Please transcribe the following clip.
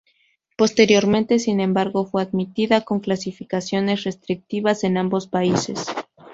Posteriormente, sin embargo, fue admitida con clasificaciones restrictivas en ambos países.